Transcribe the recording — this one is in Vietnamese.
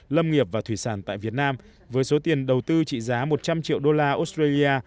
lâm nghiệp và thủy sản tại việt nam với số tiền đầu tư trị giá một trăm linh triệu đô la australia